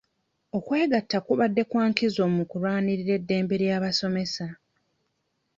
Okwegatta kubadde kwa nkizo mu kulwanirira eddembe ly'abasomesa.